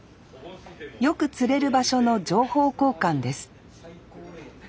よく釣れる場所の情報交換です